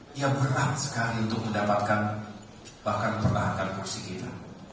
dia berat sekali untuk mendapatkan bahkan pertahankan kursi kita